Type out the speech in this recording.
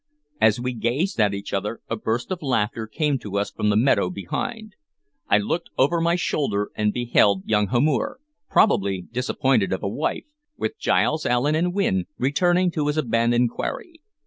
As we gazed at each other, a burst of laughter came to us from the meadow behind. I looked over my shoulder, and beheld young Hamor, probably disappointed of a wife, with Giles Allen and Wynne, returning to his abandoned quarry.